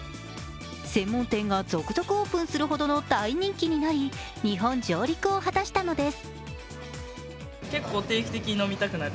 専門店が続々オープンするほどの大人気になり日本上陸を果たしたのです。